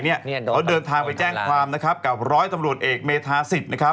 เขาเดินทางไปแจ้งความกับร้อยตำรวจเอกเมทาสิทธิ์